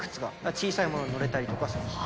小さいものに乗れたりとかする。